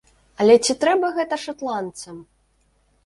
Але ці трэба гэта шатландцам?